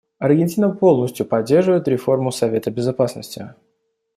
Аргентина полностью поддерживает реформу Совета Безопасности.